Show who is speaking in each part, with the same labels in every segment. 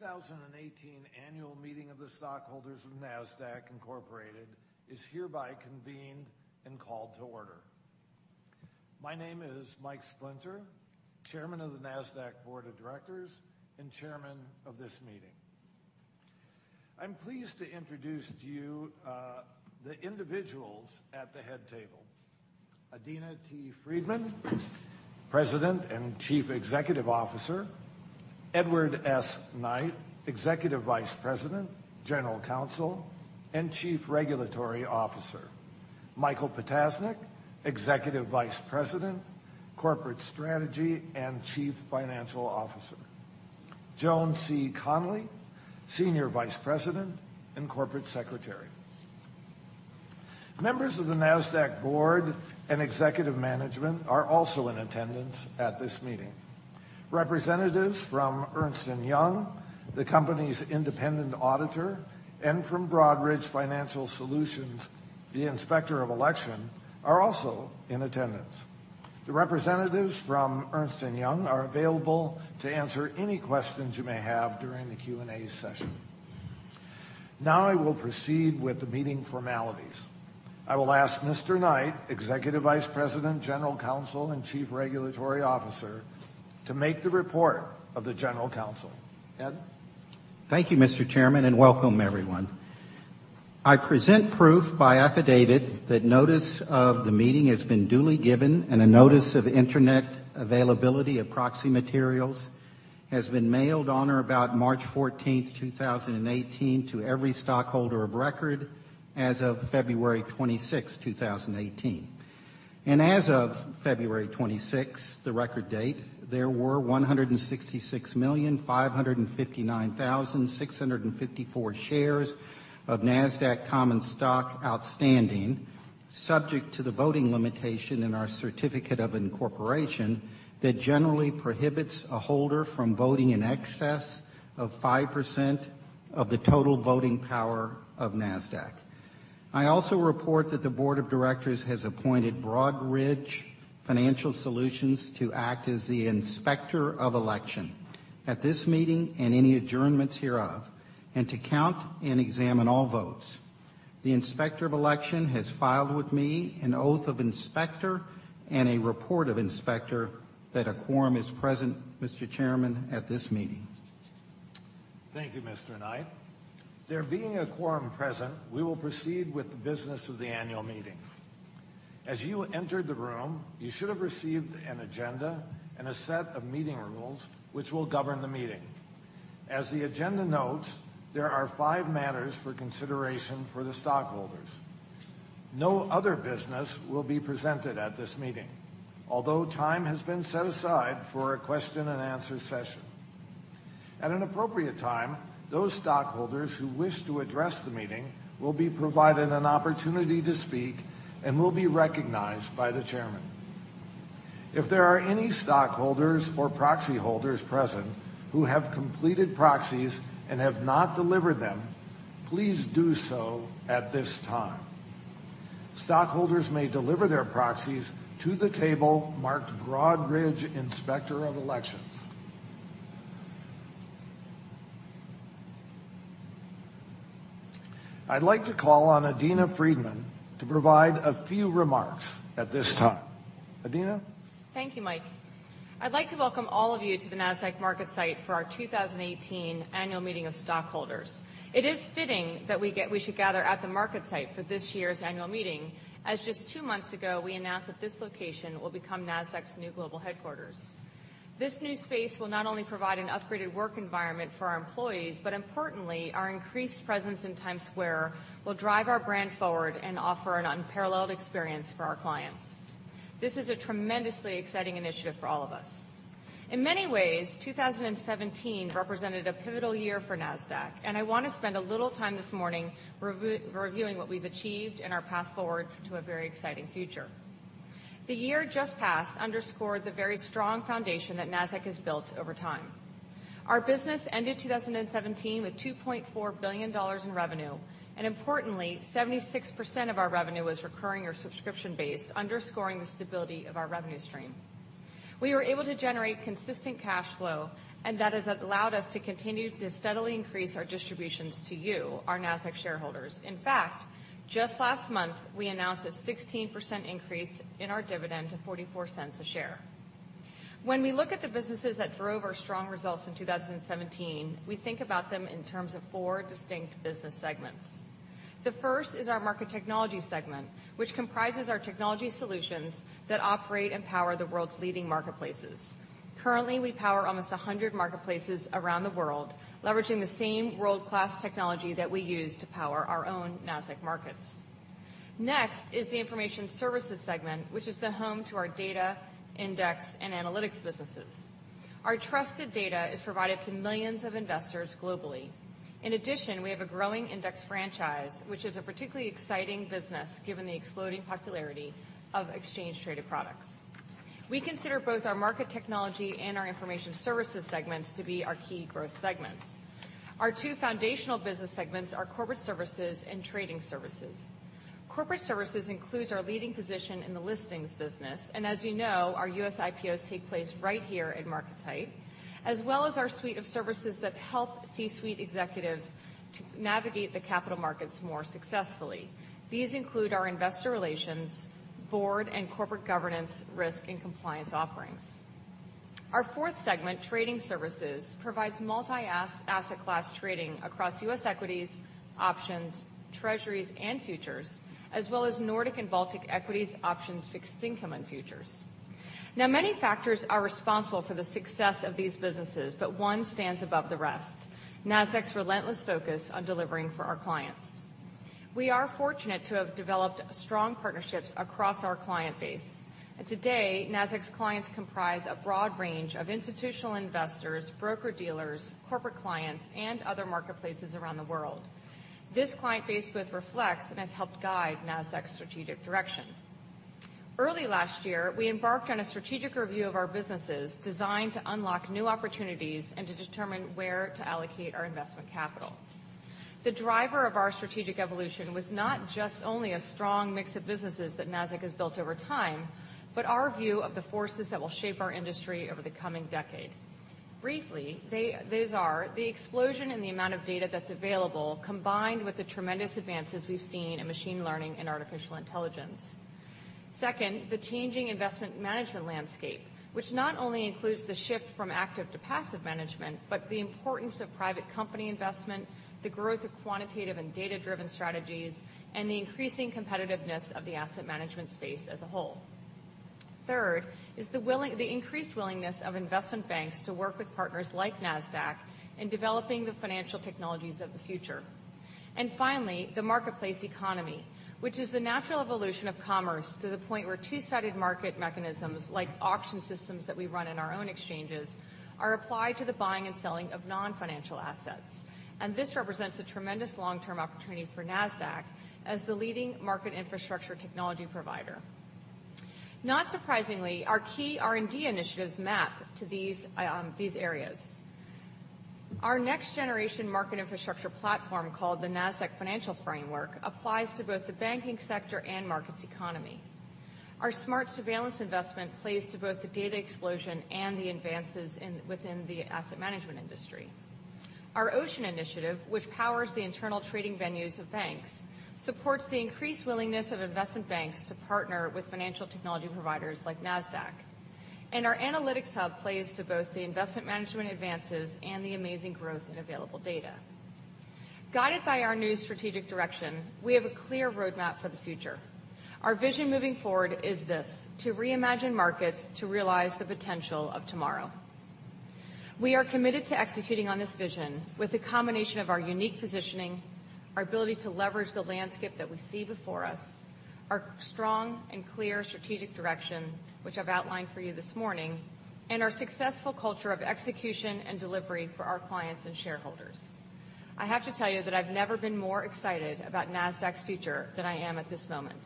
Speaker 1: The 2018 annual meeting of the stockholders of Nasdaq Incorporated is hereby convened and called to order. My name is Mike Splinter, chairman of the Nasdaq Board of Directors and chairman of this meeting. I'm pleased to introduce to you the individuals at the head table. Adena T. Friedman, President and Chief Executive Officer. Edward S. Knight, Executive Vice President, General Counsel, and Chief Regulatory Officer. Michael Ptasznik, Executive Vice President, Corporate Strategy, and Chief Financial Officer. Joan C. Conley, Senior Vice President and Corporate Secretary. Members of the Nasdaq board and executive management are also in attendance at this meeting. Representatives from Ernst & Young, the company's independent auditor, and from Broadridge Financial Solutions, the inspector of election, are also in attendance. The representatives from Ernst & Young are available to answer any questions you may have during the Q&A session. Now I will proceed with the meeting formalities. I will ask Mr. Knight, Executive Vice President, General Counsel, and Chief Regulatory Officer, to make the report of the general counsel. Ed?
Speaker 2: Thank you, Mr. Chairman. Welcome everyone. I present proof by affidavit that notice of the meeting has been duly given and a notice of internet availability of proxy materials has been mailed on or about March 14th, 2018, to every stockholder of record as of February 26, 2018. As of February 26, the record date, there were 166,559,654 shares of Nasdaq common stock outstanding, subject to the voting limitation in our certificate of incorporation that generally prohibits a holder from voting in excess of 5% of the total voting power of Nasdaq. I also report that the Board of Directors has appointed Broadridge Financial Solutions to act as the inspector of election at this meeting and any adjournments hereof, and to count and examine all votes. The inspector of election has filed with me an oath of inspector and a report of inspector that a quorum is present, Mr. Chairman, at this meeting.
Speaker 1: Thank you, Mr. Knight. There being a quorum present, we will proceed with the business of the annual meeting. As you entered the room, you should have received an agenda and a set of meeting rules which will govern the meeting. As the agenda notes, there are five matters for consideration for the stockholders. No other business will be presented at this meeting, although time has been set aside for a question and answer session. At an appropriate time, those stockholders who wish to address the meeting will be provided an opportunity to speak and will be recognized by the chairman. If there are any stockholders or proxy holders present who have completed proxies and have not delivered them, please do so at this time. Stockholders may deliver their proxies to the table marked Broadridge Inspector of Elections. I'd like to call on Adena Friedman to provide a few remarks at this time. Adena?
Speaker 3: Thank you, Mike. I'd like to welcome all of you to the Nasdaq MarketSite for our 2018 annual meeting of stockholders. It is fitting that we should gather at the MarketSite for this year's annual meeting, as just two months ago, we announced that this location will become Nasdaq's new global headquarters. This new space will not only provide an upgraded work environment for our employees, but importantly, our increased presence in Times Square will drive our brand forward and offer an unparalleled experience for our clients. This is a tremendously exciting initiative for all of us. In many ways, 2017 represented a pivotal year for Nasdaq. I want to spend a little time this morning reviewing what we've achieved and our path forward to a very exciting future. The year just passed underscored the very strong foundation that Nasdaq has built over time. Our business ended 2017 with $2.4 billion in revenue. Importantly, 76% of our revenue was recurring or subscription-based, underscoring the stability of our revenue stream. We were able to generate consistent cash flow, and that has allowed us to continue to steadily increase our distributions to you, our Nasdaq shareholders. In fact, just last month, we announced a 16% increase in our dividend to $0.44 a share. When we look at the businesses that drove our strong results in 2017, we think about them in terms of four distinct business segments. The first is our Market Technology Segment, which comprises our technology solutions that operate and power the world's leading marketplaces. Currently, we power almost 100 marketplaces around the world, leveraging the same world-class technology that we use to power our own Nasdaq markets. Next is the Information Services segment, which is the home to our data, index, and analytics businesses. Our trusted data is provided to millions of investors globally. In addition, we have a growing index franchise, which is a particularly exciting business given the exploding popularity of exchange-traded products. We consider both our Market Technology and our Information Services segments to be our key growth segments. Our two foundational business segments are Corporate Services and Trading Services. Corporate Services includes our leading position in the listings business, and as you know, our U.S. IPOs take place right here at MarketSite, as well as our suite of services that help C-suite executives to navigate the capital markets more successfully. These include our investor relations, board and corporate governance, risk, and compliance offerings. Our fourth segment, Trading Services, provides multi-asset class trading across U.S. equities, options, treasuries, and futures, as well as Nordic and Baltic equities, options, fixed income, and futures. Many factors are responsible for the success of these businesses, but one stands above the rest, Nasdaq's relentless focus on delivering for our clients. We are fortunate to have developed strong partnerships across our client base. Today, Nasdaq's clients comprise a broad range of institutional investors, broker-dealers, corporate clients, and other marketplaces around the world. This client base both reflects and has helped guide Nasdaq's strategic direction. Early last year, we embarked on a strategic review of our businesses designed to unlock new opportunities and to determine where to allocate our investment capital. The driver of our strategic evolution was not just only a strong mix of businesses that Nasdaq has built over time, but our view of the forces that will shape our industry over the coming decade. Briefly, those are the explosion in the amount of data that's available, combined with the tremendous advances we've seen in machine learning and artificial intelligence. Second, the changing investment management landscape, which not only includes the shift from active to passive management, but the importance of private company investment, the growth of quantitative and data-driven strategies, and the increasing competitiveness of the asset management space as a whole. Third, is the increased willingness of investment banks to work with partners like Nasdaq in developing the financial technologies of the future. Finally, the marketplace economy, which is the natural evolution of commerce to the point where two-sided market mechanisms, like auction systems that we run in our own exchanges, are applied to the buying and selling of non-financial assets. This represents a tremendous long-term opportunity for Nasdaq as the leading market infrastructure technology provider. Not surprisingly, our key R&D initiatives map to these areas. Our next-generation market infrastructure platform, called the Nasdaq Financial Framework, applies to both the banking sector and markets economy. Our smart surveillance investment plays to both the data explosion and the advances within the asset management industry. Our Ocean initiative, which powers the internal trading venues of banks, supports the increased willingness of investment banks to partner with financial technology providers like Nasdaq. Our analytics hub plays to both the investment management advances and the amazing growth in available data. Guided by our new strategic direction, we have a clear roadmap for the future. Our vision moving forward is this, to reimagine markets to realize the potential of tomorrow. We are committed to executing on this vision with the combination of our unique positioning, our ability to leverage the landscape that we see before us, our strong and clear strategic direction, which I've outlined for you this morning, and our successful culture of execution and delivery for our clients and shareholders. I have to tell you that I've never been more excited about Nasdaq's future than I am at this moment.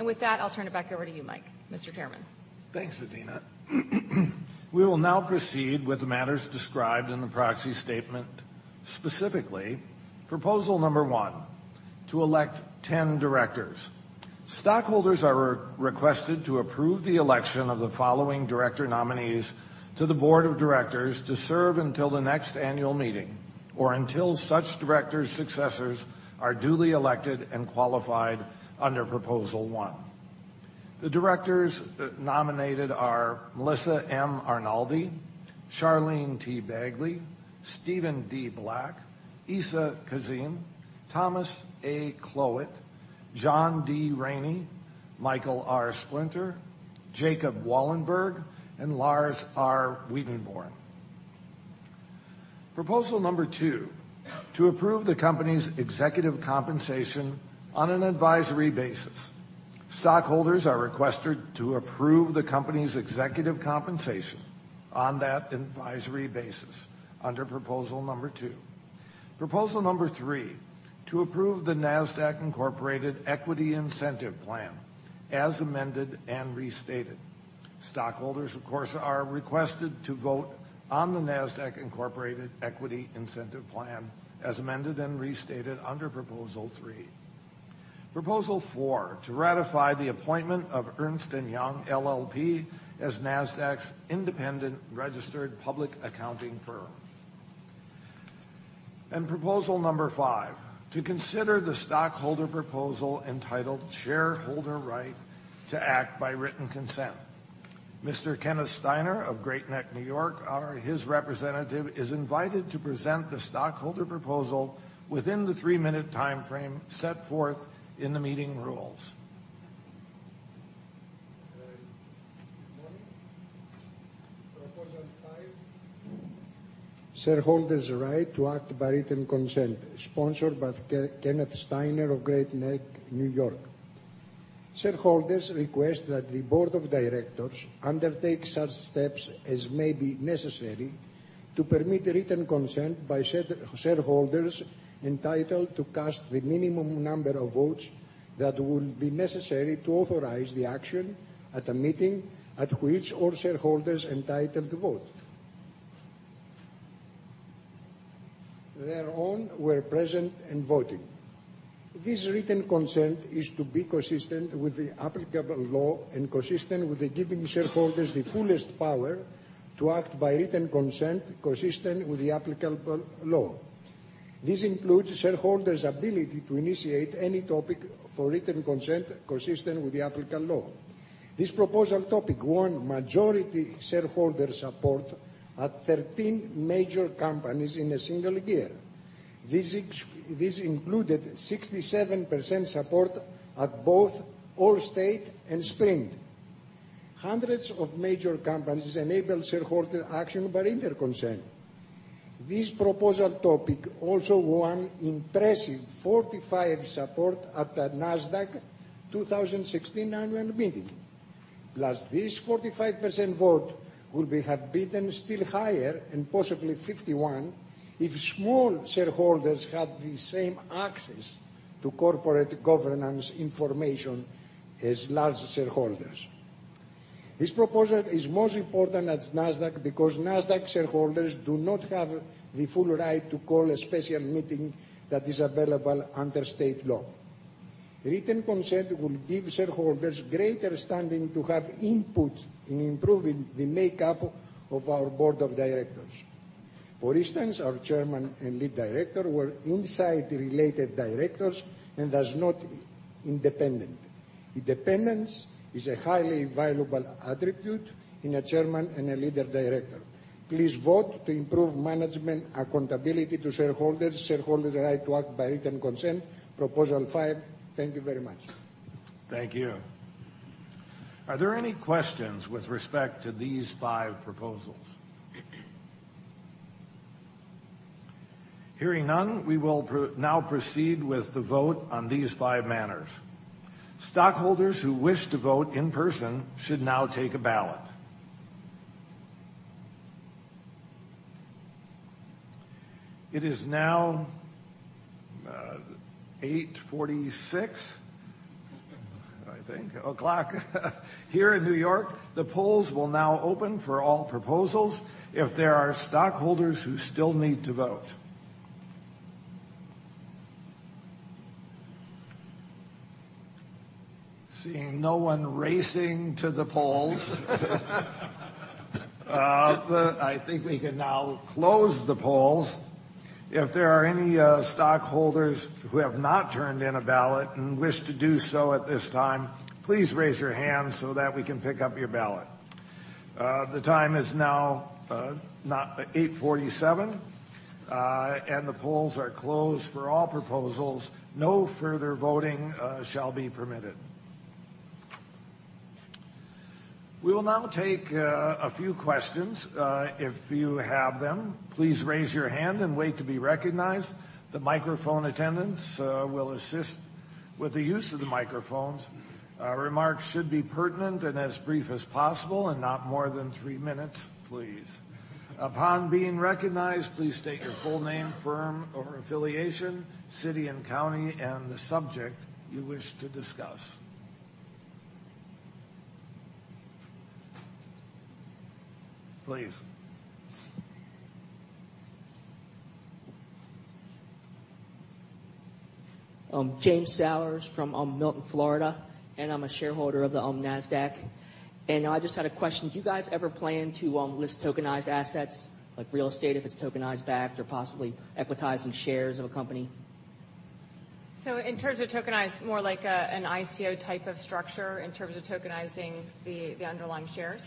Speaker 3: With that, I'll turn it back over to you, Mike. Mr. Chairman.
Speaker 1: Thanks, Adena. We will now proceed with the matters described in the proxy statement, specifically proposal number one, to elect 10 directors. Stockholders are requested to approve the election of the following director nominees to the board of directors to serve until the next annual meeting or until such directors' successors are duly elected and qualified under proposal one. The directors nominated are Melissa M. Arnoldi, Charlene T. Begley, Steven D. Black, Essa Kazim, Thomas A. Kloet, John D. Rainey, Michael R. Splinter, Jacob Wallenberg, and Lars R. Wedenborn. Proposal number two, to approve the company's executive compensation on an advisory basis. Stockholders are requested to approve the company's executive compensation on that advisory basis under proposal number two. Proposal number three, to approve the Nasdaq, Inc. Equity Incentive Plan, as amended and restated. Stockholders, of course, are requested to vote on the Nasdaq, Inc. Equity Incentive Plan, as amended and restated under proposal three. Proposal four, to ratify the appointment of Ernst & Young LLP as Nasdaq's independent registered public accounting firm. Proposal number five, to consider the stockholder proposal entitled Shareholder Right to Act by Written Consent. Mr. Kenneth Steiner of Great Neck, N.Y., or his representative, is invited to present the stockholder proposal within the three-minute timeframe set forth in the meeting rules.
Speaker 4: Good morning. Proposal five, Shareholder Right to Act by Written Consent, sponsored by Kenneth Steiner of Great Neck, N.Y. Shareholder's request that the board of directors undertake such steps as may be necessary to permit written consent by shareholders entitled to cast the minimum number of votes that would be necessary to authorize the action at a meeting at which all shareholders entitled to vote. Their own were present and voted. This written consent is to be consistent with the applicable law and consistent with giving shareholders the fullest power to act by written consent consistent with the applicable law. This includes shareholders' ability to initiate any topic for written consent consistent with the applicable law. This proposal topic won majority shareholder support at 13 major companies in a single year. This included 67% support at both Allstate and Sprint. Hundreds of major companies enable shareholder action by written consent. This proposal topic also won impressive 45% support at the Nasdaq 2016 annual meeting. This 45% vote would have been still higher, and possibly 51%, if small shareholders had the same access to corporate governance information as large shareholders. This proposal is most important at Nasdaq because Nasdaq shareholders do not have the full right to call a special meeting that is available under state law. Written consent would give shareholders greater standing to have input in improving the makeup of our board of directors. For instance, our chairman and lead director were inside related directors and thus not independent. Independence is a highly valuable attribute in a chairman and a lead director. Please vote to improve management accountability to shareholders, Shareholder Right to Act by Written Consent, Proposal 5. Thank you very much.
Speaker 1: Thank you. Are there any questions with respect to these five proposals? Hearing none, we will now proceed with the vote on these five matters. Stockholders who wish to vote in person should now take a ballot. It is now 8:46 A.M. here in New York. The polls will now open for all proposals if there are stockholders who still need to vote. Seeing no one racing to the polls. I think we can now close the polls. If there are any stockholders who have not turned in a ballot and wish to do so at this time, please raise your hand so that we can pick up your ballot. The time is now 8:47 A.M., and the polls are closed for all proposals. No further voting shall be permitted. We will now take a few questions, if you have them. Please raise your hand and wait to be recognized. The microphone attendants will assist with the use of the microphones. Remarks should be pertinent and as brief as possible and not more than three minutes, please. Upon being recognized, please state your full name, firm or affiliation, city and county, and the subject you wish to discuss. Please.
Speaker 5: James Sowers from Milton, Florida, and I'm a shareholder of the Nasdaq. I just had a question. Do you guys ever plan to list tokenized assets like real estate, if it's tokenized backed, or possibly equitizing shares of a company?
Speaker 3: In terms of tokenized, more like an ICO type of structure in terms of tokenizing the underlying shares?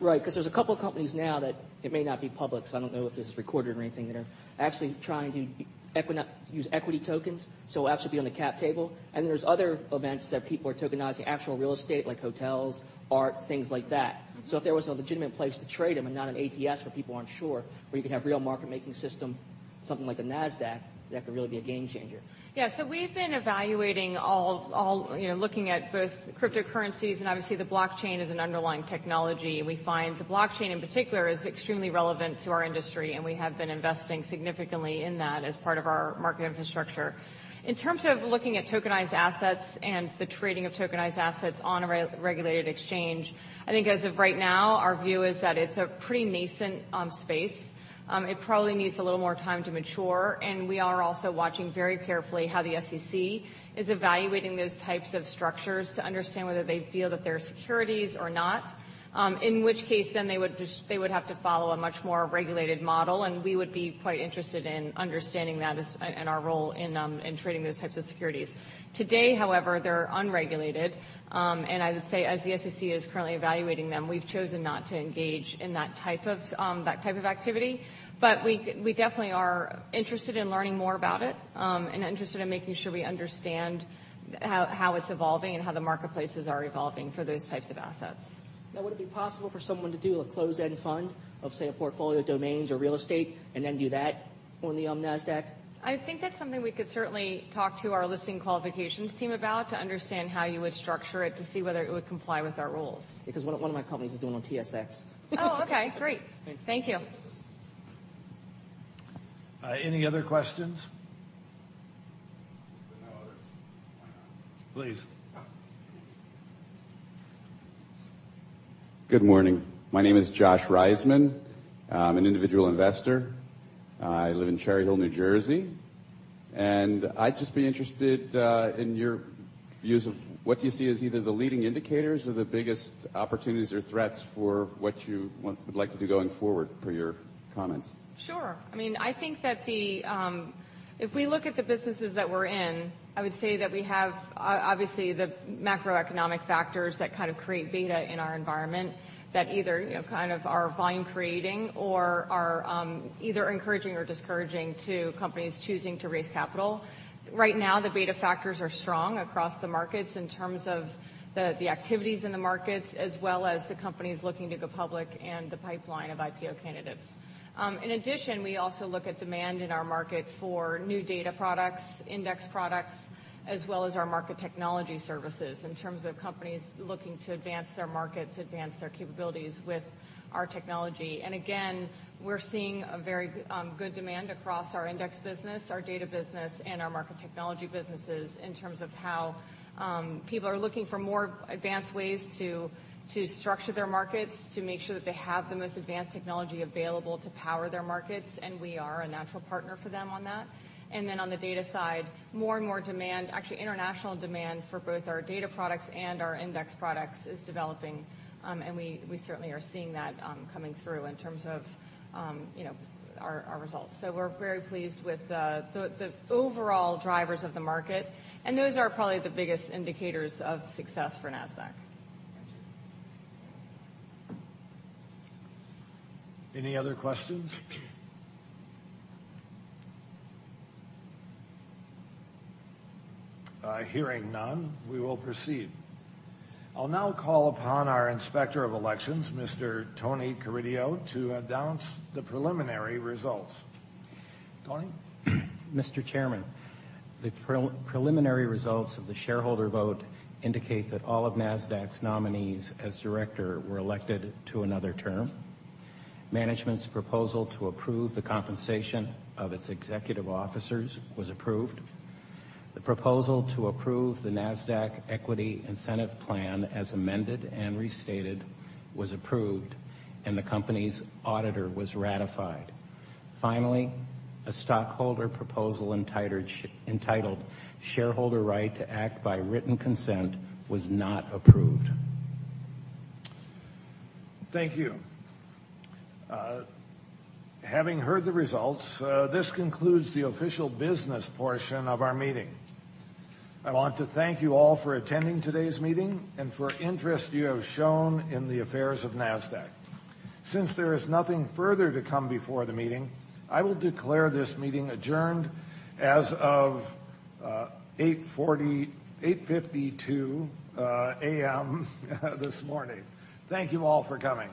Speaker 5: Right. There's a couple of companies now that, it may not be public, so I don't know if this is recorded or anything, that are actually trying to use equity tokens, so actually be on the cap table. There's other events that people are tokenizing actual real estate like hotels, art, things like that. If there was a legitimate place to trade them and not an ATS where people aren't sure, where you could have real market making system, something like the Nasdaq, that could really be a game changer.
Speaker 3: Yeah. We've been evaluating all, looking at both cryptocurrencies and obviously the blockchain as an underlying technology. We find the blockchain in particular is extremely relevant to our industry, and we have been investing significantly in that as part of our market infrastructure. In terms of looking at tokenized assets and the trading of tokenized assets on a regulated exchange, I think as of right now, our view is that it's a pretty nascent space. It probably needs a little more time to mature, and we are also watching very carefully how the SEC is evaluating those types of structures to understand whether they feel that they're securities or not. In which case, then they would have to follow a much more regulated model, and we would be quite interested in understanding that and our role in trading those types of securities. Today, however, they're unregulated. I would say as the SEC is currently evaluating them, we've chosen not to engage in that type of activity. We definitely are interested in learning more about it, and interested in making sure we understand how it's evolving and how the marketplaces are evolving for those types of assets.
Speaker 5: Would it be possible for someone to do a closed-end fund of, say, a portfolio of domains or real estate and then do that on the Nasdaq?
Speaker 3: I think that's something we could certainly talk to our listing qualifications team about to understand how you would structure it to see whether it would comply with our rules.
Speaker 5: One of my companies is doing on TSX.
Speaker 3: Oh, okay. Great.
Speaker 5: Thanks.
Speaker 3: Thank you.
Speaker 1: Any other questions? Please.
Speaker 4: Good morning. My name is Josh Reisman. I'm an individual investor. I live in Cherry Hill, New Jersey, and I'd just be interested in your views of what you see as either the leading indicators or the biggest opportunities or threats for what you would like to be going forward for your comments.
Speaker 3: Sure. I think that if we look at the businesses that we're in, I would say that we have obviously the macroeconomic factors that create beta in our environment that either are volume creating or are either encouraging or discouraging to companies choosing to raise capital. Right now, the beta factors are strong across the markets in terms of the activities in the markets, as well as the companies looking to go public and the pipeline of IPO candidates. In addition, we also look at demand in our market for new data products, index products, as well as our market technology services in terms of companies looking to advance their markets, advance their capabilities with our technology. Again, we're seeing a very good demand across our index business, our data business, and our market technology businesses in terms of how people are looking for more advanced ways to structure their markets, to make sure that they have the most advanced technology available to power their markets, and we are a natural partner for them on that. On the data side, more and more demand, actually international demand, for both our data products and our index products is developing. We certainly are seeing that coming through in terms of our results. We're very pleased with the overall drivers of the market, and those are probably the biggest indicators of success for Nasdaq.
Speaker 1: Thank you. Any other questions? Hearing none, we will proceed. I'll now call upon our Inspector of Elections, Mr. Tony Cariddi, to announce the preliminary results. Tony?
Speaker 6: Mr. Chairman, the preliminary results of the shareholder vote indicate that all of Nasdaq's nominees as director were elected to another term. Management's proposal to approve the compensation of its executive officers was approved. The proposal to approve the Nasdaq Equity Incentive Plan as amended and restated was approved, and the company's auditor was ratified. Finally, a stockholder proposal entitled, "Shareholder Right to Act by Written Consent" was not approved.
Speaker 1: Thank you. Having heard the results, this concludes the official business portion of our meeting. I want to thank you all for attending today's meeting and for interest you have shown in the affairs of Nasdaq. Since there is nothing further to come before the meeting, I will declare this meeting adjourned as of 8:52 A.M. this morning. Thank you all for coming.